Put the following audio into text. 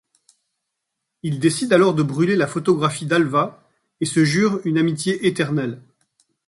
Ils décident alors de brûler la photographie d'Alva et se jurent une amitié éternelle.